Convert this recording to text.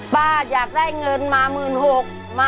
ป้าอยากได้เงินมาหมื่นหก